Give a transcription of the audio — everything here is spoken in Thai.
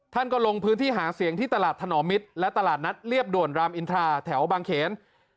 ท่านก็ลงพื้นที่หาเสียงที่ตลาดถนอมมิตรและตลาดนัดเรียบด่วนรามอินทราแถวบางเขน